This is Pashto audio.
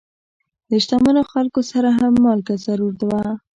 د شتمنو خلکو سره هم مالګه ضرور وه.